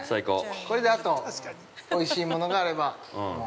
これであとおいしいものがあれば、もう。